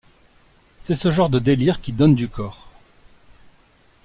C’est ce genre de délires qui « donnent du corps ».